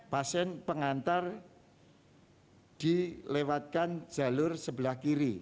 pasien pengantar dilewatkan jalur sebelah kiri